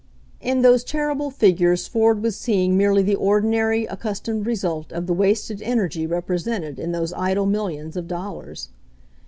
In those terrible figures Ford was seeing merely the ordinary, accustomed result of the wasted en ergy represented in those idle millions of dollars.